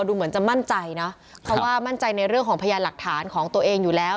ดูเหมือนจะมั่นใจนะเพราะว่ามั่นใจในเรื่องของพยานหลักฐานของตัวเองอยู่แล้ว